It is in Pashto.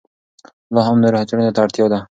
لا هم نورو څېړنو ته اړتیا ده.